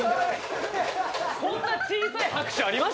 こんな小さい拍手あります？